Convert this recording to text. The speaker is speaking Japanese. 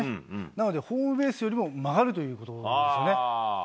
なので、ホームベースよりも曲がるということなんですよね。